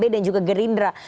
atau ke gerindra